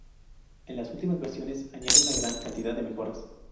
En las ultimas versiones añade una gran cantidad de mejoras.